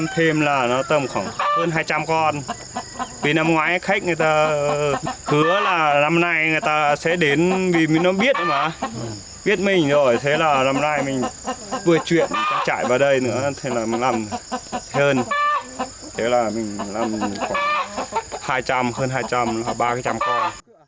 thế là năm nay mình vừa chuyện chạy vào đây nữa thế là mình làm hơn thế là mình làm khoảng hai trăm linh hơn hai trăm linh khoảng ba trăm linh con